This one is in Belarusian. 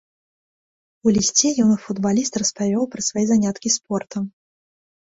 У лісце юны футбаліст распавёў пра свае заняткі спортам.